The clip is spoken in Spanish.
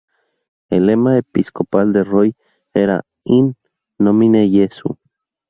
El lema episcopal de Roy era "In nomine Jesu".